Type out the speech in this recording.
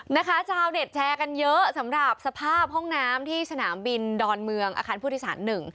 นะคะชาวเน็ตแชร์กันเยอะสำหรับสภาพห้องน้ำที่สนามบินดอนเมืองอาคารผู้โดยสารหนึ่ง